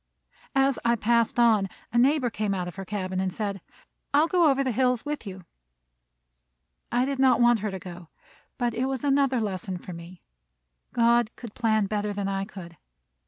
As I passed on, a neighbor came out of her cabin, and said, "I will go over the hills with you." I did not want her to go, but it was another lesson for me. God could plan better than I could.